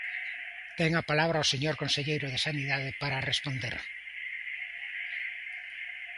Ten a palabra o señor conselleiro de Sanidade para responder.